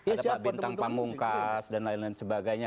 ada pak bintang pamungkas dan lain lain sebagainya